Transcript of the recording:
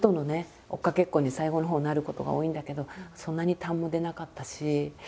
追っかけっこに最後のほうなることが多いんだけどそんなに痰も出なかったし。